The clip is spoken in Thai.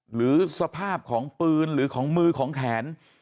หรือสภาพของปืนหรือของมือของแขน